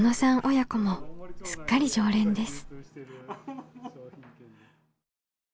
親子もすっかり常連です。